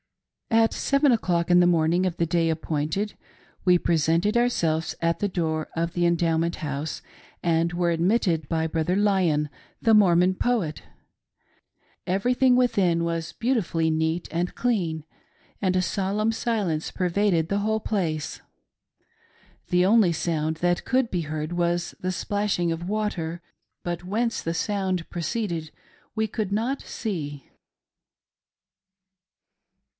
At seven o'clock in the morning of the day appointed, we INSIDE THE ENDOWMENT HOUSE. 359 presented ourselves at the door of the Endowment House, and were admitted by Brother Lyon, the Mormon poet. Every thing within was beautifully neat and clean, and a solemn silence pervaded the whole place. The only sound that could be heard was the splashing of water, but whence the sound proceeded we could not see.